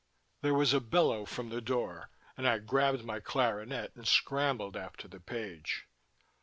There was a bellow from the door, and I grabbed my clarinet and scrambled after the page.